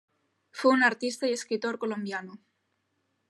Fue un artista y escritor colombiano.